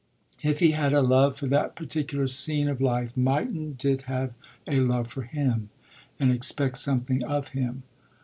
If he had a love for that particular scene of life mightn't it have a love for him and expect something of him?